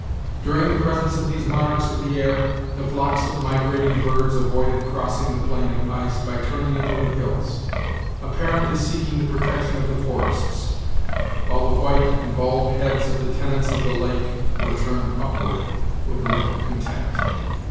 During the presence of these monarchs of the air, the flocks of migrating birds avoided crossing the plain of ice by turning into the hills, apparently seeking the protection of the forests, while the white and bald heads of the tenants of the lake were turned upward, with a look of contempt.